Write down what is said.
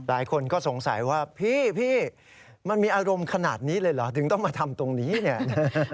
หลายคนก็สงสัยว่าพี่มันมีอารมณ์ขนาดนี้เลยเหรอถึงต้องมาทำตรงนี้เนี่ยนะฮะ